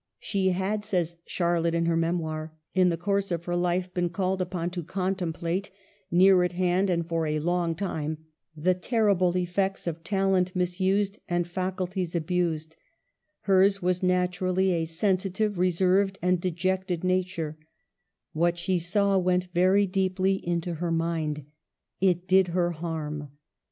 "She had," says Charlotte, in her ' Memoir,' " in the course of her life been called upon to contemplate, near at hand and for a long time, the terrible effects of talents misused and facul ties abused ; hers was naturally a sensitive, re served, and dejected nature ; what she saw went very deeply into her mind ; it did her harm."